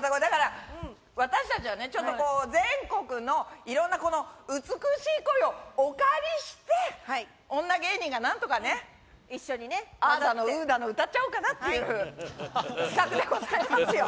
だから、私たちは全国のいろんなこの美しい声をお借りして、女芸人がなんとかね、一緒にね、あーだのうーだの歌っちゃおうかなっていう企画でございますよ。